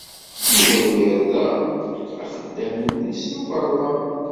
Yuba yerda axeddam-nni s tukerḍa.